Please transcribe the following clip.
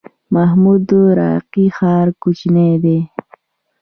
محمود راقي ښار کوچنی دی؟